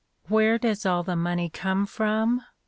Where does all the money come from?